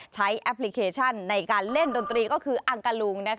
แอปพลิเคชันในการเล่นดนตรีก็คืออังกะลุง